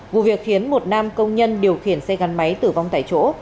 vụ việc khiến một nam công nhân điều khiển xe gắn máy tử vong tại chỗ